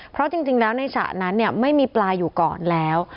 เพราะจริงแล้วในสระนั้นไม่มีปลาอยู่ก่อนแล้ว